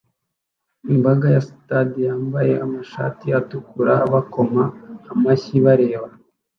Imbaga ya stade yambaye amashati atukura bakoma amashyi bareba